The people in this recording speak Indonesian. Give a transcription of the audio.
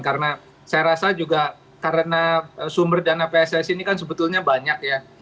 karena saya rasa juga karena sumber dana pssi ini kan sebetulnya banyak ya